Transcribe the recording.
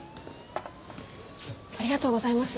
ありがとうございます。